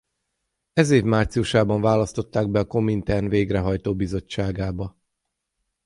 Ez év márciusában választották be a Komintern Végrehajtó Bizottságába.